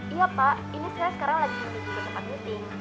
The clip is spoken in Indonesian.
iya pak ini saya sekarang lagi menuju ke tempat meeting